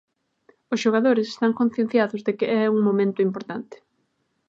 Os xogadores están concienciados de que é un momento importante.